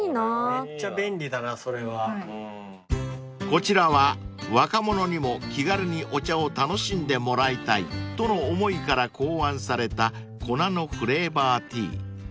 ［こちらは若者にも気軽にお茶を楽しんでもらいたいとの思いから考案された粉のフレーバーティー］